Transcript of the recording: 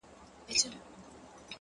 پرمختګ له کوچنیو بدلونونو راټوکېږي